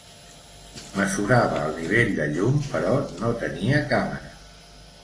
Mesurava el nivell de llum però no tenia càmera.